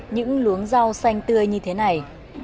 những luống rau xanh tươi như thế này